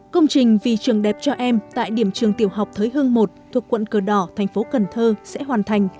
công trình vì trường đẹp cho em tại điểm trường tiểu học thới hương một thuộc quận cờ đỏ thành phố cần thơ sẽ hoàn thành